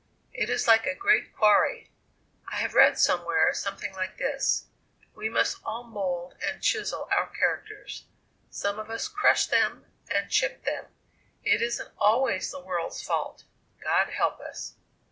It is like a great quarry I have read somewhere something like this we must all mould and chisel our characters; some of us crush them and chip them. It isn't always the world's fault. God help us!"